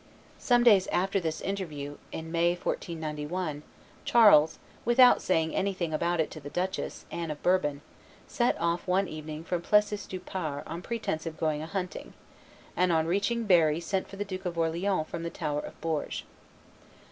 Some days after this interview, in May, 1491, Charles, without saying anything about it to the duchess, Anne of Bourbon, set off one evening from Plessis du Pare on pretence of going a hunting, and on reaching Berry sent for the Duke of Orleans from the Tower of Bourges.